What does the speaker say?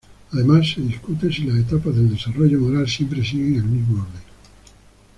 Además se discute si las etapas del desarrollo moral siempre siguen el mismo orden.